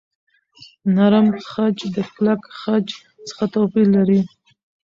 نرم خج د کلک خج څخه توپیر لري.